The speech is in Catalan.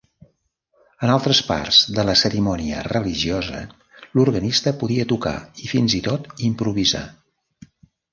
En altres parts de la cerimònia religiosa, l'organista podia tocar i fins i tot improvisar.